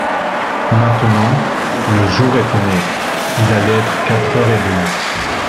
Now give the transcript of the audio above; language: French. Maintenant, le jour était né, il allait être quatre heures et demie.